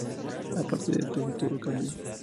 A partir de entonces, todo cambió.